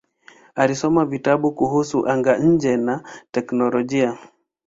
Alisoma vitabu kuhusu anga-nje na teknolojia.